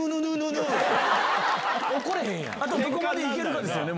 どこまで行けるかですよね